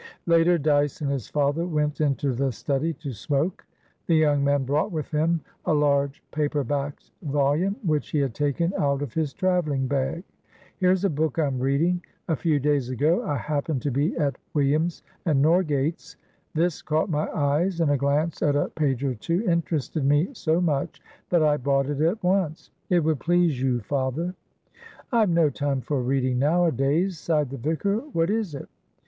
Later, Dyce and his father went into the study to smoke. The young man brought with him a large paperbacked volume which he had taken out of his travelling bag. "Here's a book I'm reading. A few days ago I happened to be at Williams & Norgates'. This caught my eyes, and a glance at a page or two interested me so much that I bought it at once. It would please you, father." "I've no time for reading nowadays," sighed the vicar. "What is it?"